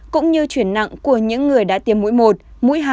cũng như chuyển nặng của những người đã tiêm mũi một mũi hai